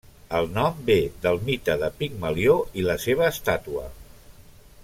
El nom ve del mite de Pigmalió i la seva estàtua.